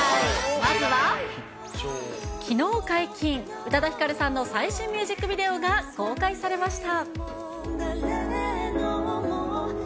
まずは、きのう解禁、宇多田ヒカルさんの最新ミュージックビデオが公開されました。